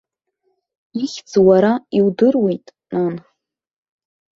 Ихьӡ уара иудыруеит, нан.